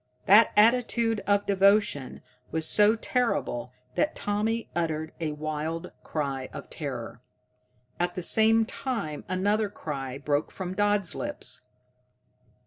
That attitude of devotion was so terrible that Tommy uttered a wild cry of terror. At the same time another cry broke from Dodd's lips.